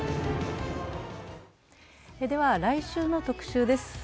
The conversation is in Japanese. では、来週の特集です。